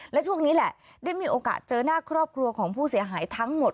และช่วงนี้แหละได้มีโอกาสเจอหน้าครอบครัวของผู้เสียหายทั้งหมด